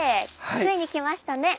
ついに来ましたね！